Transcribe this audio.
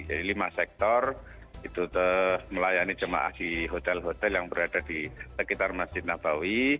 jadi lima sektor itu melayani jemaah haji hotel hotel yang berada di sekitar masjid nabawi